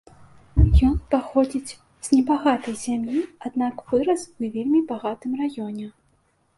Ён паходзіць з небагатай сям'і, аднак вырас у вельмі багатым раёне.